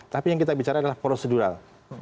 tapi yang kita bicara adalah prosedural